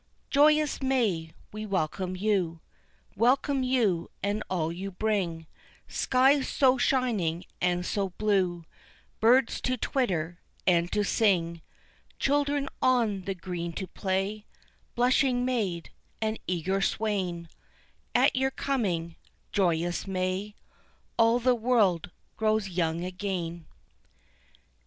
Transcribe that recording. Joyous May, we welcome you, Welcome you and all you bring, Skies so shining and so blue, Birds to twitter and to sing, Children on the green to play, Blushing maid, and eager swain, At your coming, joyous May, All the world grows young again.